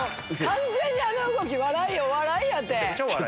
完全にあの動きお笑いやて。